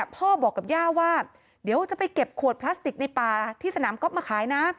พ่อบอกกับย่าว่าเดี๋ยวจะไปเก็บขวดพลาสติกในป่าที่สนามก๊อฟมาขายนะ